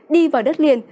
đi vào đất liền